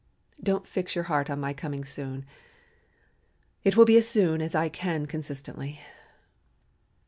Don't fix your heart on my coming soon. It will be as soon as I can consistently."